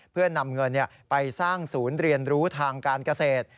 เพื่อนำเงินไปสร้างศูนย์เรียนรู้ทางการเกษตร